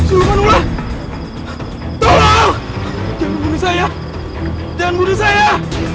suruh menulis tolong jangan bunuh saya jangan bunuh saya